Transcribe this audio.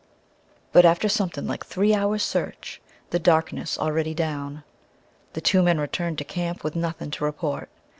But after something like three hours' search, the darkness already down, the two men returned to camp with nothing to report.